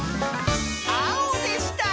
あおでした！